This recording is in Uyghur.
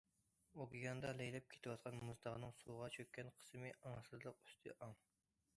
ئوكياندا لەيلەپ كېتىۋاتقان مۇز تاغنىڭ سۇغا چۆككەن قىسمى ئاڭسىزلىق، ئۈستى ئاڭ.